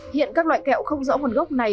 hiện các loại kẹo không rõ nguồn gốc này